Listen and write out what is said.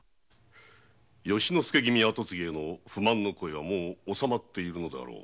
由之助君跡継ぎに不満の声はもう納まっているのであろう？